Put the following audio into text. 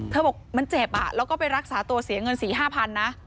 บอกมันเจ็บแล้วก็ไปรักษาตัวเสียเงิน๔๕๐๐นะ